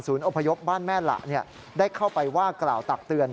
อพยพบ้านแม่หละได้เข้าไปว่ากล่าวตักเตือน